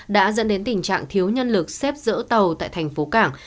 đã dẫn đến tình trạng thiếu nhân lực xếp dỡ tàu tại thành phố cảng